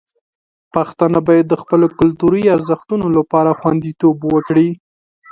پښتانه باید د خپلو کلتوري ارزښتونو لپاره خوندیتوب وکړي.